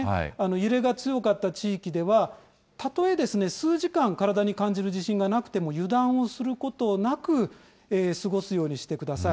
揺れが強かった地域では、たとえ数時間、体に感じる地震がなくても油断をすることなく、過ごすようにしてください。